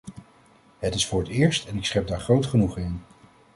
Het is voor het eerst en ik schep daar groot genoegen in.